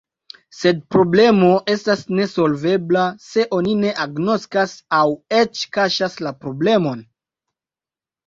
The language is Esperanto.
Sed problemo estas nesolvebla, se oni ne agnoskas aŭ eĉ kaŝas la problemon.